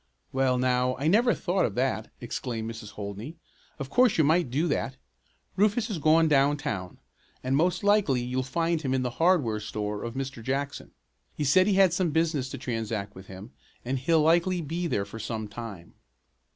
"Well, now, I never thought of that!" exclaimed Mrs. Holdney. "Of course you might do that. Rufus has gone down town, and most likely you'll find him in the hardware store of Mr. Jackson. He said he had some business to transact with him, and he'll likely be there for some time."